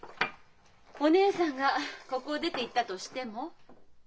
お義姉さんがここを出ていったとしても？